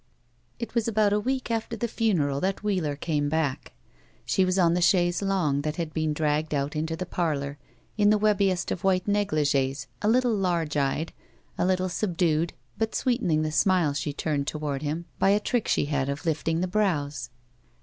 It was about a week after the funeral that Wheeler came back. She was on the chaise longue that had been dragged out into the parlor, in the webbiest of white neglig6es, a little large eyed, a little subdued, but sweetening the smile she turned toward him by a trick she had of lifting the brows.